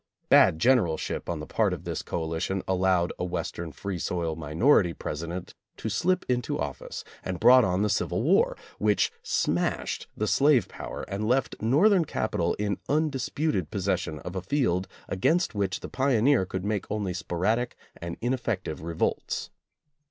Bad generalship on the part of this coalition allowed a Western free soil minority President to slip into office and brought on the Civil War, which smashed the slave power and left Northern capital in undisputed possession of a field against which the pioneer could make only sporadic and ineffective revolts.